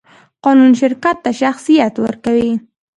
قانون شرکت ته شخصیت ورکوي.